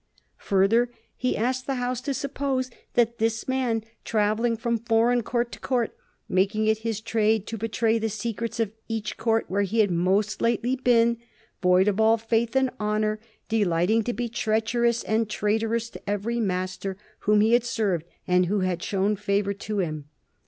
Further, he asked the House to suppose this man travelling from for eign court to court, making it his trade to betray the se crets of each court where he had most lately been, void of all faith and honor, delighting to be treacherous and trai torous to every master whom he had served and who had shown favor to him.